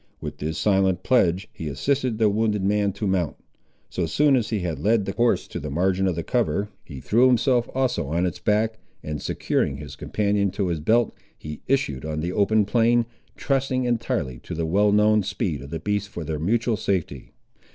With this silent pledge, he assisted the wounded man to mount. So soon as he had led the horse to the margin of the cover, he threw himself also on its back, and securing his companion to his belt, he issued on the open plain, trusting entirely to the well known speed of the beast for their mutual safety.